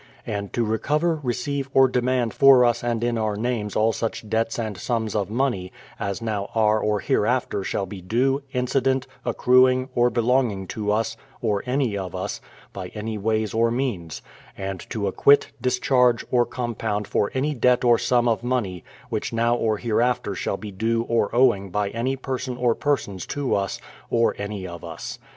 And to recover, receive, and demand for us and in our names all such debts and sums of money, as now are or hereafter shall be due, incident, accruing, or belonging to us, or any of us, by any ways or means; and to acquit, dis charge, or compound for any debt or sum of money, which nov/ or hereafter shall be due or owing by any person or persons to us, or any of us.